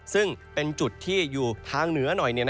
ซึ่งเป็นจุดที่อยู่ทางเหนือหน่อย